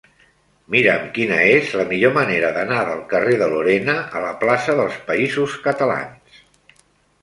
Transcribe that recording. Mira'm quina és la millor manera d'anar del carrer de Lorena a la plaça dels Països Catalans.